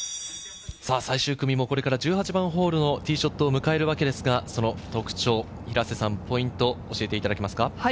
最終組もこれから１８番ホールのティーショットを迎えるわけですが、その特徴やポイントも教えていただけますか？